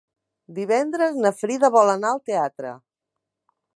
Divendres na Frida vol anar al teatre.